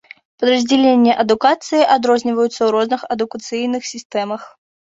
Падраздзяленні адукацыі адрозніваюцца ў розных адукацыйных сістэмах.